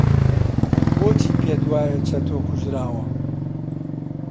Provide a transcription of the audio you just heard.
بۆچی پێت وایە چەتۆ کوژراوە؟